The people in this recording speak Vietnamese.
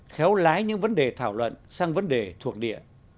khéo lái những vấn đề thảo luận sang vấn đề thuộc địa